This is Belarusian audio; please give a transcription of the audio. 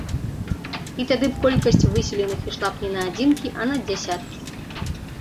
І тады б колькасць выселеных ішла б не на адзінкі, а на дзясяткі.